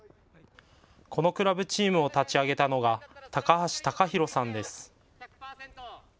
このクラブチームを立ち上げたのが高橋崇寛さんです。